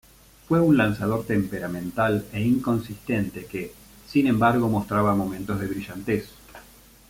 Fue un lanzador temperamental e inconsistente que, sin embargo mostraba momentos de brillantez.